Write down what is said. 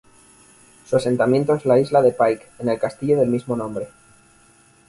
Su asentamiento es la isla de Pyke, en el castillo del mismo nombre.